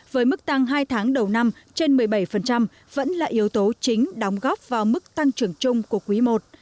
với mức tăng hai tháng đầu năm trên một mươi bảy vẫn là yếu tố chính đóng góp vào mức tăng trưởng chung của quý i